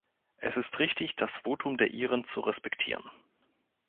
Es ist richtig, das Votum der Iren zu respektieren.